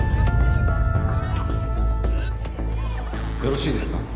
よろしいですか？